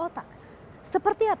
yang ketiga sebagai perusahaan